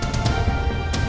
nih bawa pergi